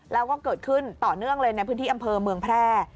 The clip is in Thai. แล้วก็เกิดขึ้นต่อเนื่องเลยในพื้นที่อำเภอเมืองแพร่